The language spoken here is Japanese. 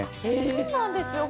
そうなんですよ。